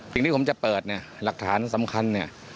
สิ่งที่ผมจะเปิดเนี่ยหลักฐานสำคัญเนี่ย